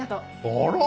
あら？